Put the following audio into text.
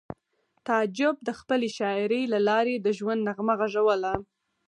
تعجب د خپلې شاعرۍ له لارې د ژوند نغمه غږوله